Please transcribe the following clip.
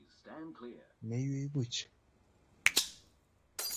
Meiywei puch.